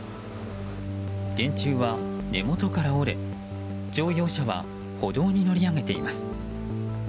電柱は根元から折れ乗用車は歩道に乗り上げています。